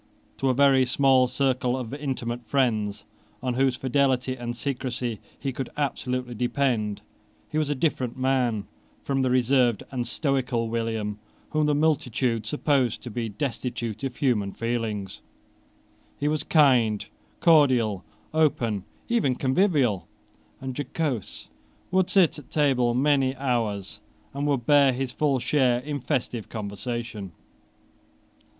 To a very small circle of intimate friends, on whose fidelity and secrecy he could absolutely depend, he was a different man from the reserved and stoical William whom the multitude supposed to be destitute of human feelings. He was kind, cordial, open, even convivial and jocose, would sit at table many hours, and would bear his full share in festive conversation.